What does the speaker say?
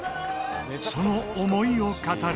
その思いを語る。